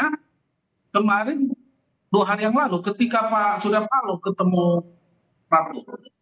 memang nasdemnya kemarin dua hari yang lalu ketika pak suria pa lo ketemu pak bu